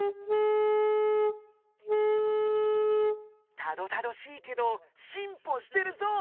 たどたどしいけどしんぽしてるぞ！